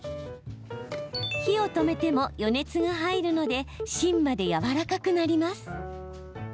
火を止めても余熱が入るので芯までやわらかくなります。